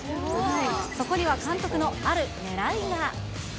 そこには監督のあるねらいが。